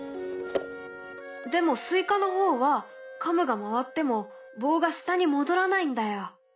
でもスイカの方はカムが回っても棒が下に戻らないんだよ。